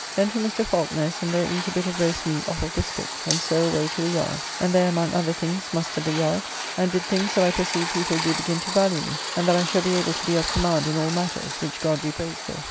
Then to Mr. Falconer's, and there eat a bit of roast meat off of the spit, and so away to the yard, and there among other things mustered the yard, and did things that I perceive people do begin to value me, and that I shall be able to be of command in all matters, which God be praised for.